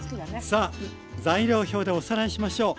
さあ材料表でおさらいしましょう。